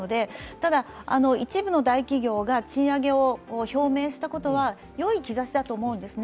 ただ、一部の大企業が賃上げを表明したことはよい兆しだと思うんですね。